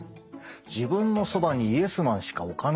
自分のそばにイエスマンしか置かないで結果